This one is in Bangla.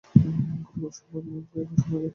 গতকাল সোমবার লাইম এ ঘোষণা দেয়।